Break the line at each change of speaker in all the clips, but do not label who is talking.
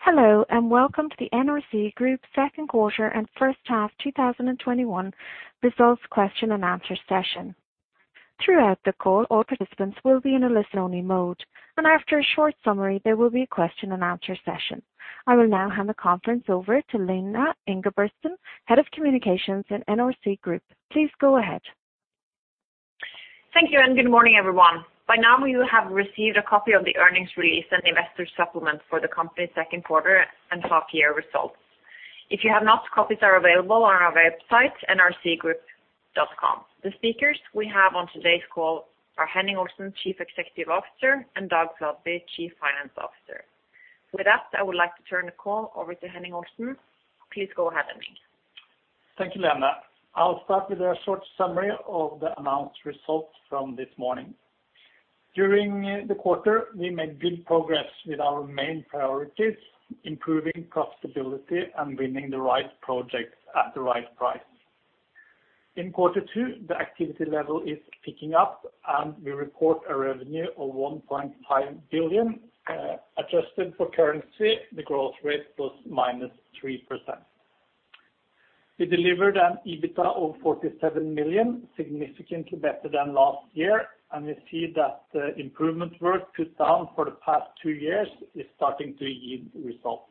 Hello, and welcome to the NRC Group second quarter and first half 2021 results question and answer session. Throughout the call, all participants will be in a listen only mode, and after a short summary, there will be a question and answer session. I will now hand the conference over to Lene Engebretsen, Head of Communications in NRC Group. Please go ahead.
Thank you. Good morning, everyone. By now, you will have received a copy of the earnings release and investor supplement for the company's second quarter and half-year results. If you have not, copies are available on our website, nrcgroup.com. The speakers we have on today's call are Henning Olsen, Chief Executive Officer, and Dag Fladby, Chief Financial Officer. With that, I would like to turn the call over to Henning Olsen. Please go ahead, Henning.
Thank you, Lene. I'll start with a short summary of the announced results from this morning. During the quarter, we made good progress with our main priorities, improving profitability and winning the right projects at the right price. In quarter two, the activity level is picking up, and we report a revenue of 1.5 billion. Adjusted for currency, the growth rate was -3%. We delivered an EBITDA of 47 million, significantly better than last year, and we see that the improvement work put down for the past two years is starting to yield results.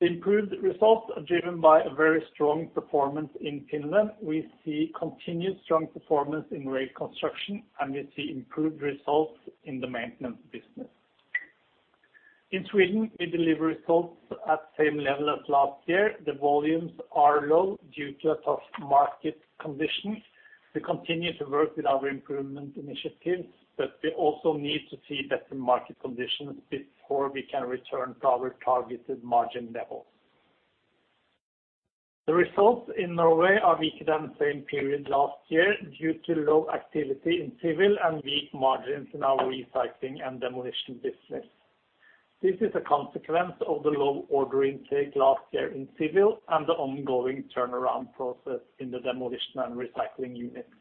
The improved results are driven by a very strong performance in Finland. We see continued strong performance in rail construction, and we see improved results in the maintenance business. In Sweden, we deliver results at the same level as last year. The volumes are low due to tough market conditions. We continue to work with our improvement initiatives. We also need to see better market conditions before we can return to our targeted margin levels. The results in Norway are weaker than the same period last year due to low activity in civil and weak margins in our recycling and demolition business. This is a consequence of the low order intake last year in civil and the ongoing turnaround process in the demolition and recycling units.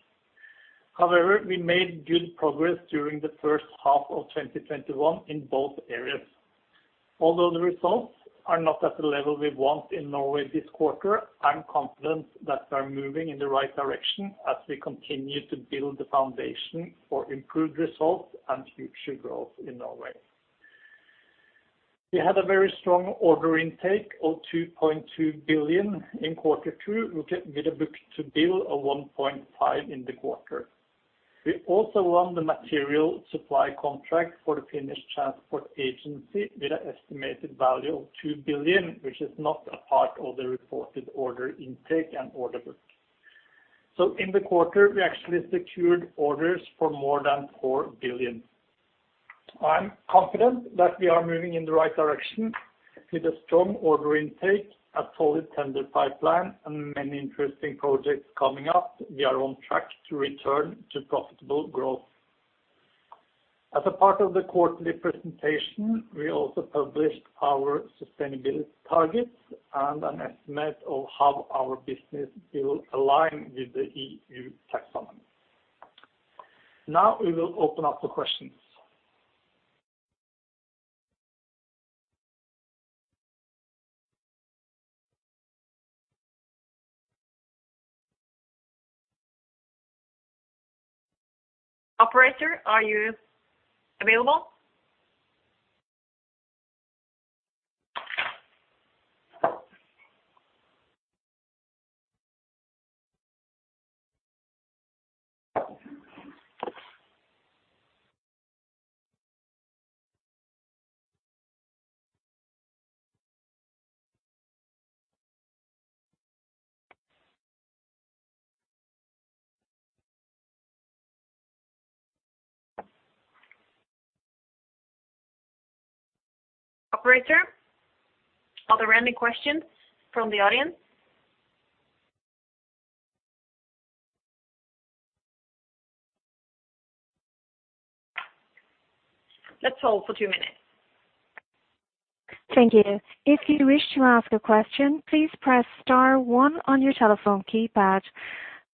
However, we made good progress during the first half of 2021 in both areas. Although the results are not at the level we want in Norway this quarter, I'm confident that we're moving in the right direction as we continue to build the foundation for improved results and future growth in Norway. We had a very strong order intake of 2.2 billion in quarter two, with a book-to-bill of 1.5 in the quarter. We also won the material supply contract for the Finnish Transport Infrastructure Agency with an estimated value of 2 billion, which is not a part of the reported order intake and order book. In the quarter, we actually secured orders for more than 4 billion. I'm confident that we are moving in the right direction with a strong order intake, a solid tender pipeline, and many interesting projects coming up. We are on track to return to profitable growth. As a part of the quarterly presentation, we also published our sustainability targets and an estimate of how our business will align with the EU taxonomy. We will open up to questions.
Operator, are you available? Operator, are there any questions from the audience? Let's hold for two minutes.
Thank you.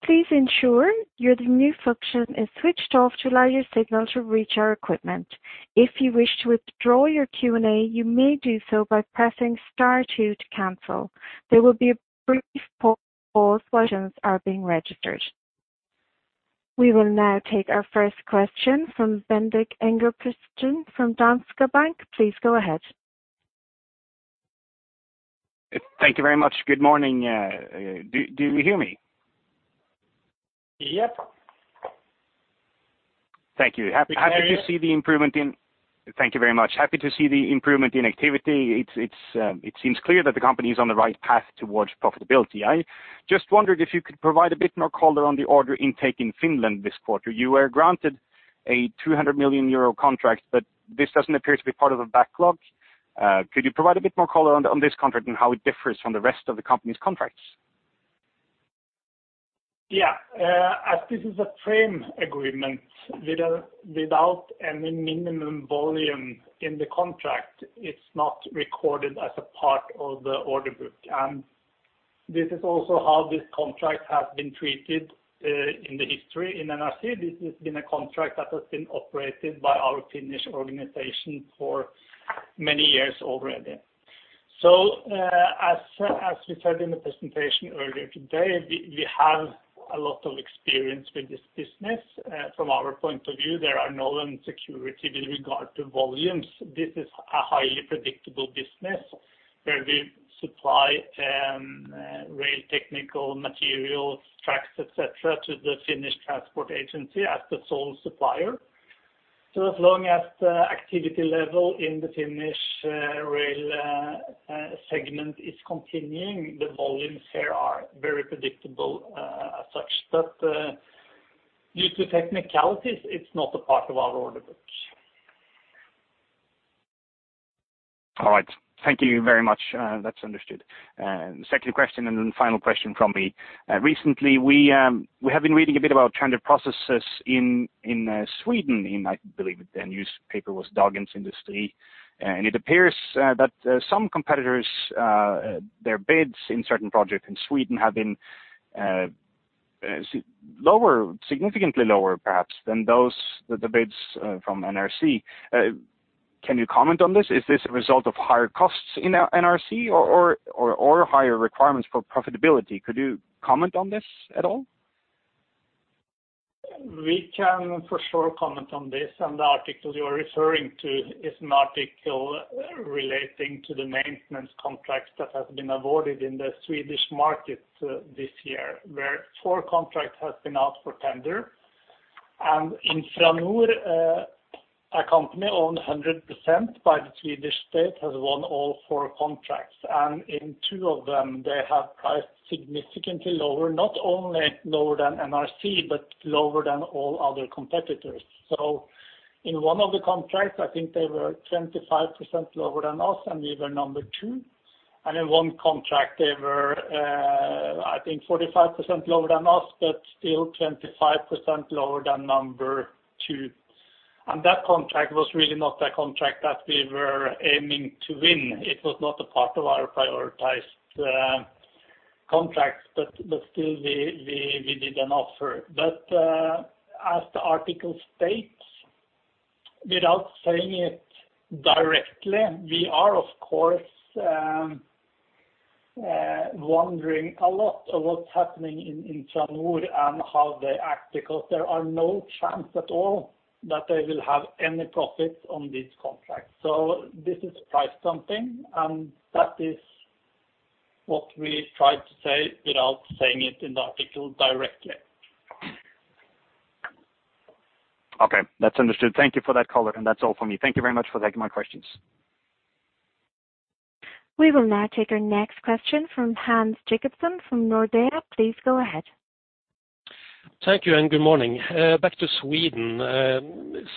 We will now take our first question from Bendik Engebretsen from Danske Bank. Please go ahead.
Thank you very much. Good morning. Do you hear me?
Yep.
Thank you.
We can hear you.
Thank you very much. Happy to see the improvement in activity. It seems clear that the company is on the right path towards profitability. I just wondered if you could provide a bit more color on the order intake in Finland this quarter. You were granted a 200 million euro contract, but this doesn't appear to be part of a backlog. Could you provide a bit more color on this contract and how it differs from the rest of the company's contracts?
Yeah. As this is a frame agreement without any minimum volume in the contract, it's not recorded as a part of the order book. This is also how this contract has been treated in the history in NRC. This has been a contract that has been operated by our Finnish organization for many years already. As we said in the presentation earlier today, we have a lot of experience with this business. From our point of view, there are no insecurity with regard to volumes. This is a highly predictable business where we supply rail technical materials, tracks, et cetera, to the Finnish Transport Infrastructure Agency as the sole supplier. As long as the activity level in the Finnish Rail segment is continuing, the volumes here are very predictable as such. Due to technicalities, it's not a part of our order book.
All right. Thank you very much. That's understood. Second question, then final question from me. Recently, we have been reading a bit about tender processes in Sweden in, I believe, the newspaper was Dagens Industri. It appears that some competitors, their bids in certain projects in Sweden have been significantly lower, perhaps, than the bids from NRC. Can you comment on this? Is this a result of higher costs in NRC or higher requirements for profitability? Could you comment on this at all?
We can for sure comment on this. The article you are referring to is an article relating to the maintenance contracts that have been awarded in the Swedish market this year, where four contracts has been out for tender. Infranord, a company owned 100% by the Swedish state, has won all four contracts, and in two of them, they have priced significantly lower, not only lower than NRC, but lower than all other competitors. In 1 of the contracts, I think they were 25% lower than us, and we were number two. In one contract, they were, I think 45% lower than us, but still 25% lower than number two. That contract was really not a contract that we were aiming to win. It was not a part of our prioritized contracts, but still, we did an offer. As the article states, without saying it directly, we are, of course, wondering a lot of what's happening in Infranord and how they act, because there are no chance at all that they will have any profit on this contract. This is price dumping, and that is what we tried to say without saying it in the article directly.
Okay, that's understood. Thank you for that color. That's all for me. Thank you very much for taking my questions.
We will now take our next question from Hans-Erik Jacobsen from Nordea. Please go ahead.
Thank you and good morning, back to Sweden.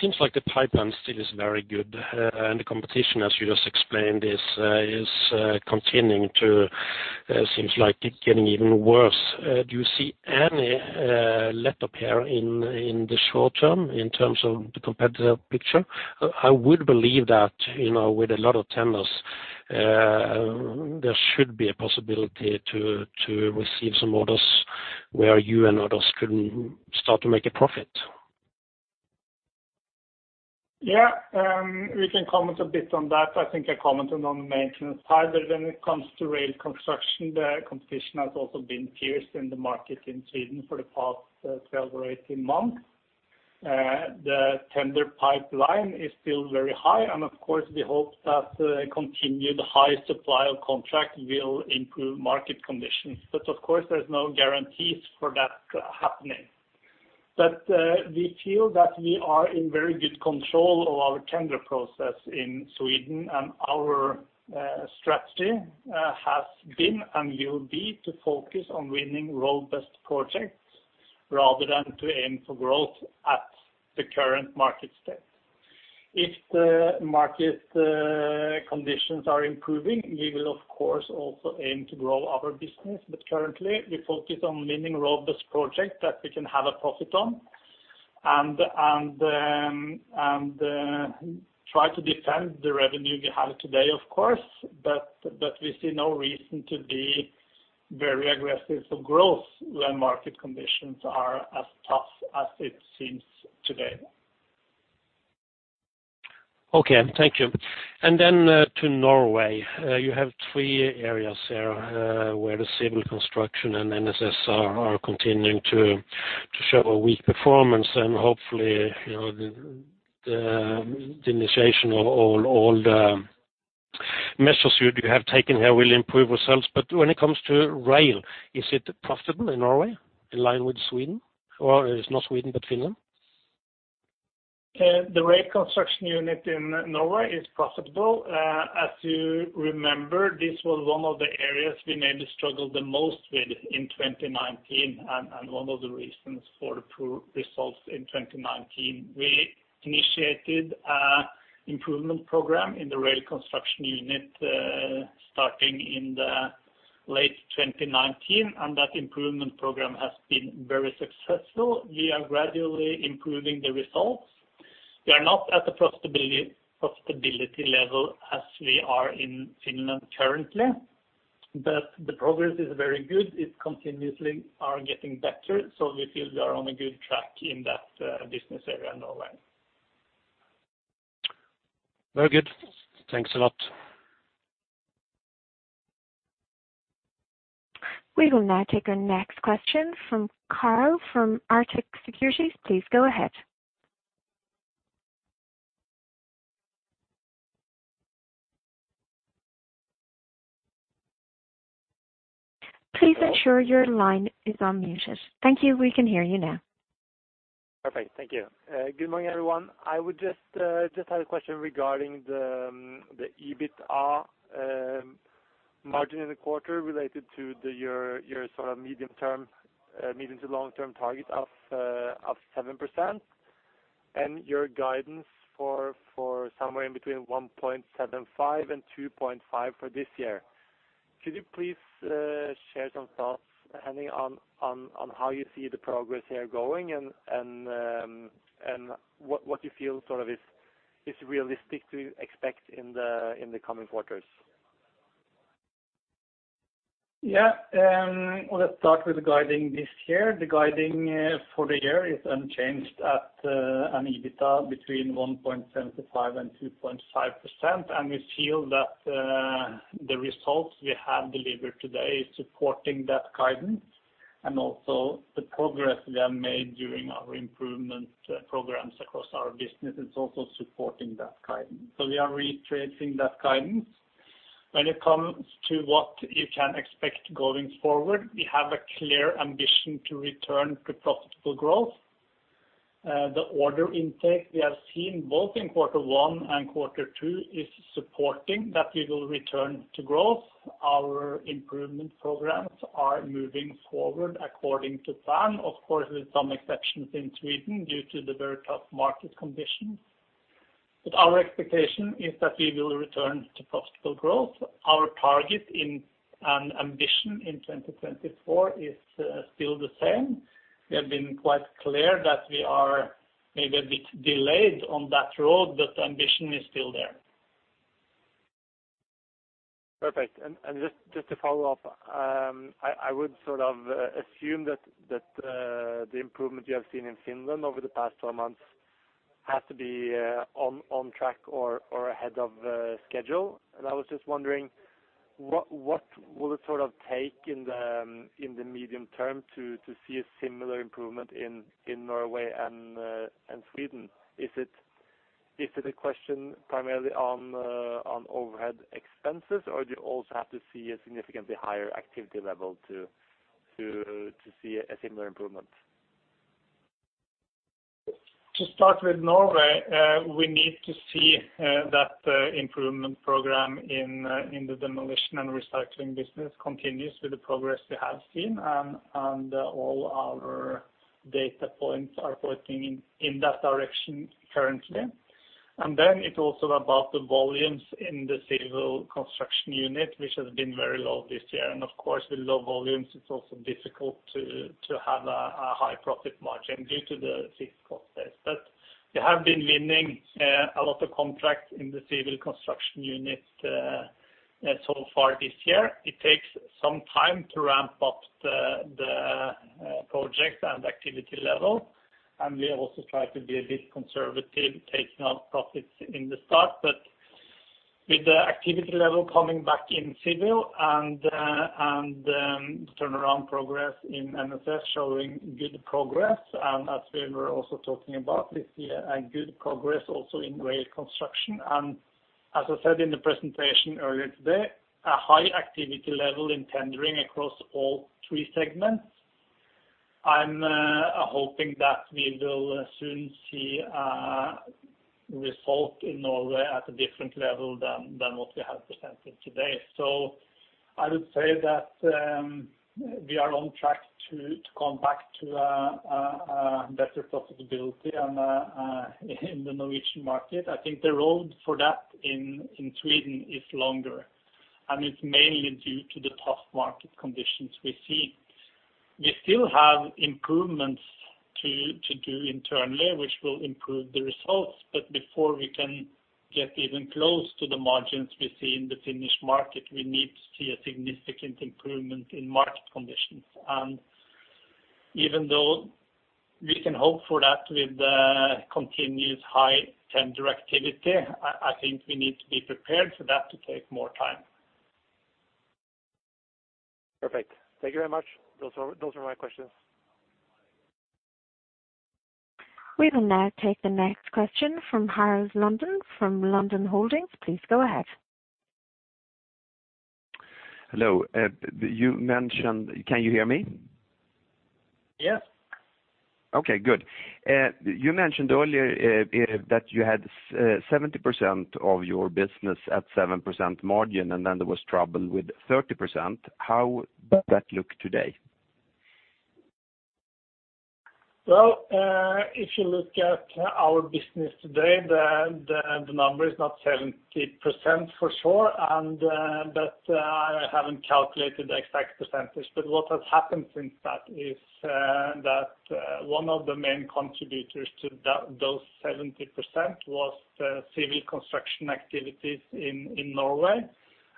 Seems like the pipeline still is very good and the competition, as you just explained, seems like it getting even worse. Do you see any letup here in the short term in terms of the competitive picture? I would believe that with a lot of tenders, there should be a possibility to receive some orders where you and others could start to make a profit.
Yeah, we can comment a bit on that. I think I commented on the maintenance side, but when it comes to rail construction, the competition has also been fierce in the market in Sweden for the past 12 or 18 months. The tender pipeline is still very high, and of course, we hope that continued high supply of contract will improve market conditions. Of course, there's no guarantees for that happening. We feel that we are in very good control of our tender process in Sweden, and our strategy has been and will be to focus on winning robust projects rather than to aim for growth at the current market state. If the market conditions are improving, we will, of course, also aim to grow our business. Currently, we focus on winning robust projects that we can have a profit on and try to defend the revenue we have today, of course, but we see no reason to be very aggressive for growth when market conditions are as tough as it seems today.
Okay. Thank you. Then to Norway. You have three areas there where the civil construction and NSS are continuing to show a weak performance and hopefully, the initiation of all the measures you have taken here will improve results. When it comes to rail, is it profitable in Norway, in line with Sweden? It is not Sweden, but Finland.
The Rail Construction unit in Norway is profitable. As you remember, this was one of the areas we maybe struggled the most with in 2019 and one of the reasons for the poor results in 2019. We initiated an improvement program in the Rail Construction unit starting in the late 2019. That improvement program has been very successful. We are gradually improving the results. We are not at the profitability level as we are in Finland currently. The progress is very good. It continuously is getting better. We feel we are on a good track in that business area in Norway.
Very good. Thanks a lot.
We will now take our next question from Carl Bjerke from Arctic Securities. Please go ahead. Please ensure your line is unmuted. Thank you. We can hear you now.
Perfect. Thank you. Good morning, everyone. I would just had a question regarding the EBITDA margin in the quarter related to your medium to long-term target of 7% and your guidance for somewhere in between 1.75% and 2.5% for this year. Could you please share some thoughts depending on how you see the progress here going and what you feel is realistic to expect in the coming quarters?
Yeah. Let's start with the guiding this year. The guiding for the year is unchanged at an EBITDA between 1.75% and 2.5%, we feel that the results we have delivered today is supporting that guidance and also the progress we have made during our improvement programs across our business is also supporting that guidance. We are retracing that guidance. When it comes to what you can expect going forward, we have a clear ambition to return to profitable growth. The order intake we have seen both in quarter one and quarter two is supporting that we will return to growth. Our improvement programs are moving forward according to plan, of course, with some exceptions in Sweden due to the very tough market conditions. Our expectation is that we will return to profitable growth. Our target and ambition in 2024 is still the same. We have been quite clear that we are maybe a bit delayed on that road, but ambition is still there.
Perfect. Just to follow up, I would assume that the improvement you have seen in Finland over the past 12 months has to be on track or ahead of schedule. I was just wondering what will it take in the medium term to see a similar improvement in Norway and Sweden? Is it a question primarily on overhead expenses, or do you also have to see a significantly higher activity level to see a similar improvement?
To start with Norway, we need to see that improvement program in the demolition and recycling business continues with the progress we have seen and all our data points are pointing in that direction currently. It's also about the volumes in the civil construction unit, which has been very low this year. Of course, with low volumes, it's also difficult to have a high profit margin due to the fixed costs there. We have been winning a lot of contracts in the civil construction unit so far this year. It takes some time to ramp up the projects and activity level. We also try to be a bit conservative taking our profits in the start, but with the activity level coming back in civil and turnaround progress in NSS showing good progress, and as we were also talking about this year, a good progress also in Rail Construction. As I said in the presentation earlier today, a high activity level in tendering across all three segments. I'm hoping that we will soon see a result in Norway at a different level than what we have presented today. I would say that we are on track to come back to a better profitability in the Norwegian market. I think the road for that in Sweden is longer, and it's mainly due to the tough market conditions we see. We still have improvements to do internally, which will improve the results, but before we can get even close to the margins we see in the Finnish market, we need to see a significant improvement in market conditions. Even though we can hope for that with the continuous high tender activity, I think we need to be prepared for that to take more time.
Perfect. Thank you very much. Those were my questions.
We will now take the next question from [uncertan], from London Holdings. Please go ahead. Hello. Can you hear me?
Yes.
Okay, good. You mentioned earlier that you had 70% of your business at 7% margin, and then there was trouble with 30%. How does that look today?
Well, if you look at our business today, the number is not 70% for sure, but I haven't calculated the exact percentage. What has happened since that is. One of the main contributors to those 70% was the civil construction activities in Norway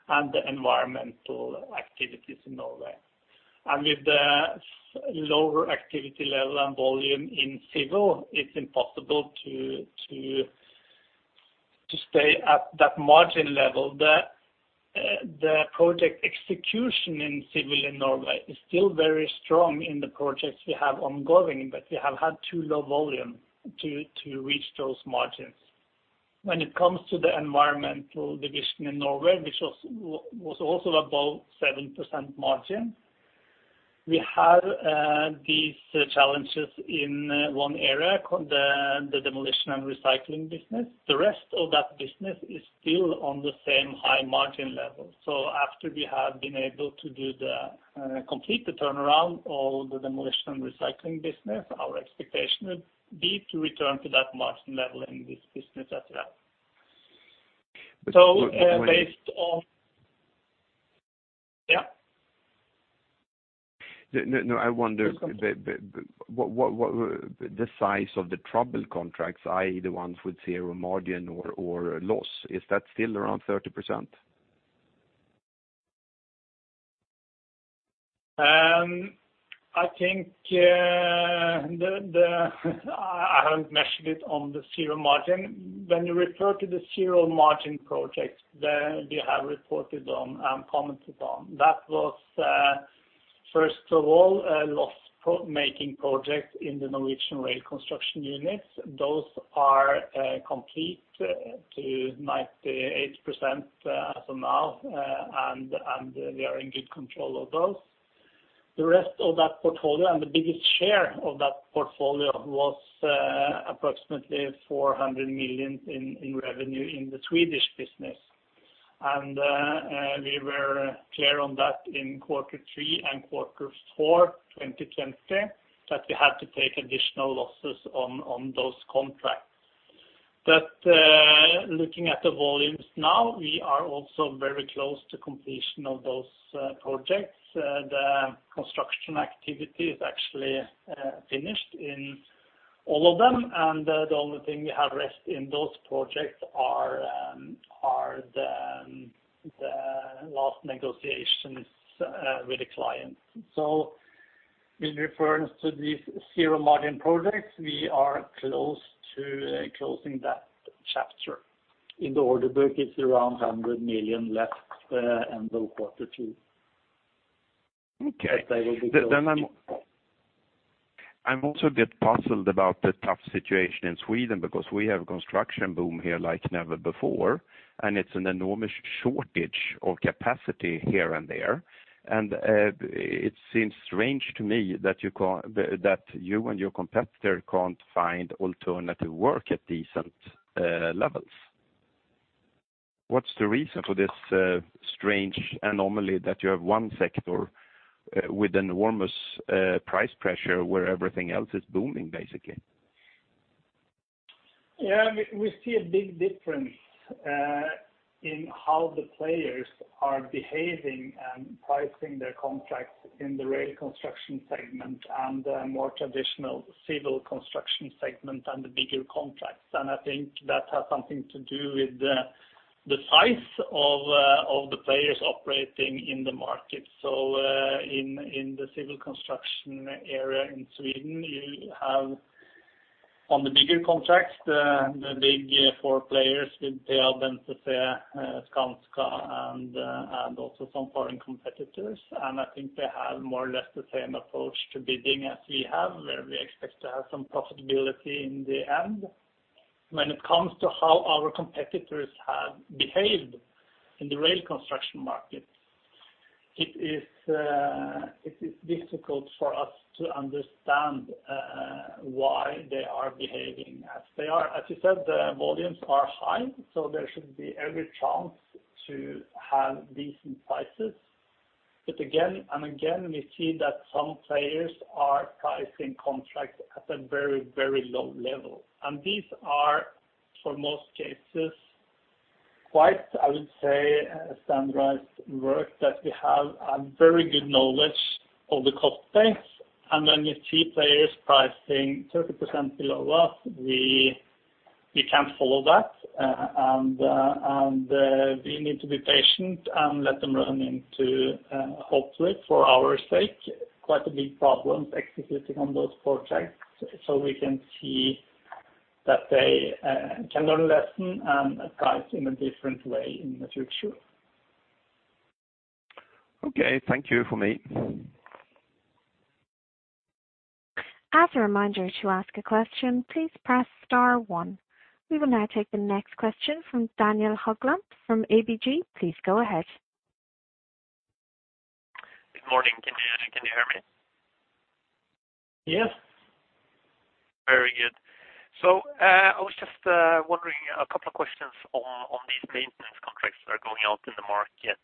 and the environmental activities in Norway. With the lower activity level and volume in civil, it's impossible to stay at that margin level. The project execution in civil in Norway is still very strong in the projects we have ongoing, but we have had too low volume to reach those margins. When it comes to the environmental division in Norway, which was also above 7% margin, we have these challenges in 1 area, the demolition and recycling business. The rest of that business is still on the same high margin level. After we have been able to complete the turnaround of the demolition and recycling business, our expectation would be to return to that margin level in this business as well.
But-
Based on, Yeah.
No, I wonder.
Yes, go on.
The size of the troubled contracts, either ones with zero margin or loss, is that still around 30%?
I think, I haven't measured it on the zero margin. When you refer to the zero margin project that we have reported on and commented on, that was, first of all, a loss-making project in the Norwegian Rail Construction units. Those are complete to 98% as of now, and we are in good control of those. The rest of that portfolio and the biggest share of that portfolio was approximately 400 million in revenue in the Swedish business. We were clear on that in quarter three and quarter four 2020, that we had to take additional losses on those contracts. Looking at the volumes now, we are also very close to completion of those projects. The construction activity is actually finished in all of them, and the only thing we have left in those projects are the last negotiations with the clients. In reference to these zero margin projects, we are close to closing that chapter. In the order book, it's around 100 million left, end of quarter two.
Okay.
They will be closed.
I'm also a bit puzzled about the tough situation in Sweden because we have a construction boom here like never before, and it's an enormous shortage of capacity here and there. It seems strange to me that you and your competitor can't find alternative work at decent levels. What's the reason for this strange anomaly that you have one sector with enormous price pressure where everything else is booming, basically?
Yeah, we see a big difference in how the players are behaving and pricing their contracts in the Rail Construction segment and the more traditional Civil Construction segment and the bigger contracts. I think that has something to do with the size of the players operating in the market. In the civil construction area in Sweden, you have on the bigger contracts, the Big Four players with Peab, NCC, Skanska, and also some foreign competitors. I think they have more or less the same approach to bidding as we have, where we expect to have some profitability in the end. When it comes to how our competitors have behaved in the Rail Construction market, it is difficult for us to understand why they are behaving as they are. As you said, the volumes are high, so there should be every chance to have decent prices. Again and again, we see that some players are pricing contracts at a very low level. These are, for most cases, quite, I would say, standardized work that we have a very good knowledge of the cost base. When we see players pricing 30% below us, we can't follow that, and we need to be patient and let them run into, hopefully, for our sake, quite a big problem executing on those projects so we can see that they can learn lesson and price in a different way in the future.
Okay. Thank you. From me.
As a reminder if you ask a question, please press star one. We will now take the next question from Daniel Haugland from ABG. Please go ahead.
Good morning. Can you hear me?
Yes.
Very good. I was just wondering a couple of questions on these maintenance contracts that are going out in the market.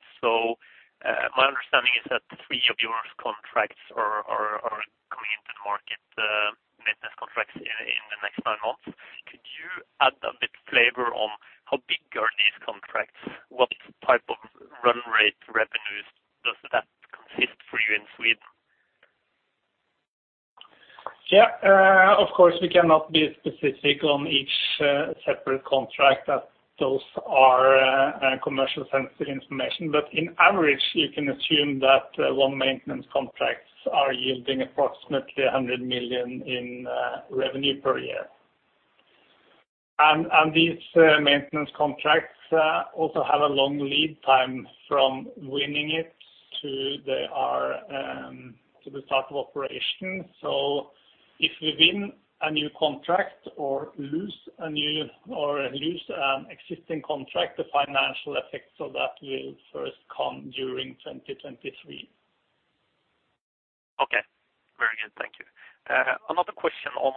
My understanding is that three of your contracts are coming into the market, maintenance contracts in the next nine months. Could you add a bit flavor on how big are these contracts? What type of run rate revenue that consist for you in Sweden?
Yeah. Of course, we cannot be specific on each separate contract, as those are commercially sensitive information. On average, you can assume that long maintenance contracts are yielding approximately 100 million in revenue per year. These maintenance contracts also have a long lead time from winning it to the start of operation. If we win a new contract or lose an existing contract, the financial effects of that will first come during 2023.
Okay. Very good. Thank you. Another question on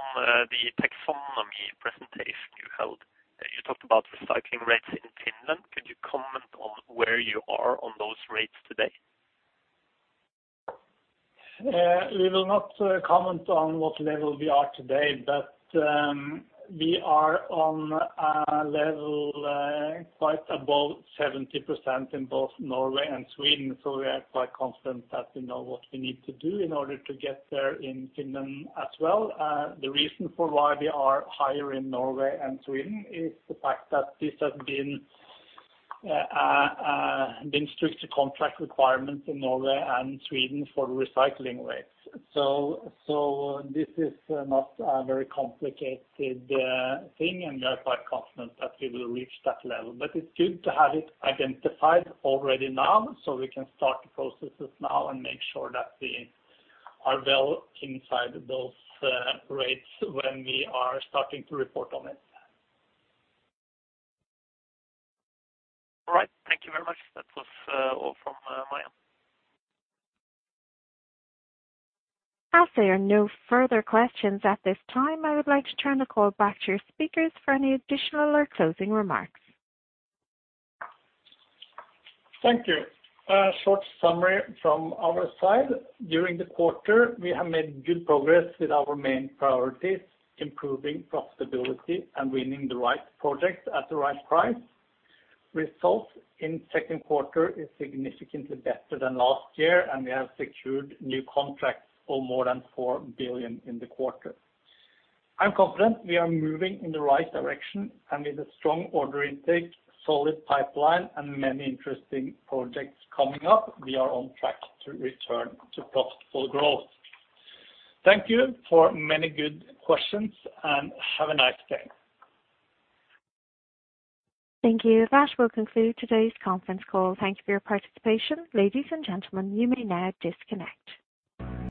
the Taxonomy presentation you held. You talked about recycling rates in Finland. Could you comment on where you are on those rates today?
We will not comment on what level we are today, but we are on a level quite above 70% in both Norway and Sweden. We are quite confident that we know what we need to do in order to get there in Finland as well. The reason for why we are higher in Norway and Sweden is the fact that this has been strict contract requirements in Norway and Sweden for recycling rates. This is not a very complicated thing, and we are quite confident that we will reach that level. It's good to have it identified already now, so we can start the processes now and make sure that we are well inside those rates when we are starting to report on it.
All right. Thank you very much. That was all from my end.
As there are no further questions at this time, I would like to turn the call back to your speakers for any additional or closing remarks.
Thank you. A short summary from our side. During the quarter, we have made good progress with our main priorities, improving profitability and winning the right projects at the right price. Results in second quarter is significantly better than last year, and we have secured new contracts for more than 4 billion in the quarter. I'm confident we are moving in the right direction, and with a strong order intake, solid pipeline, and many interesting projects coming up, we are on track to return to profitable growth. Thank you for many good questions, and have a nice day.
Thank you. That will conclude today's conference call. Thank you for your participation. Ladies and gentlemen, you may now disconnect.